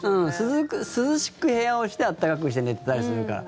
涼しく部屋をして暖かくして寝てたりするから。